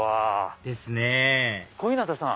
ですね小日向さん。